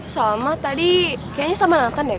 salma tadi kayaknya sama nathan ya kak